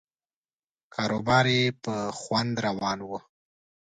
کاروبار یې په خوند روان و.